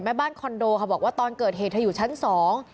บ้านคอนโดค่ะบอกว่าตอนเกิดเหตุเธออยู่ชั้นสอง